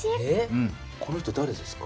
この人だれですか？